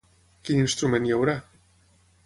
Quin instrument hi haurà?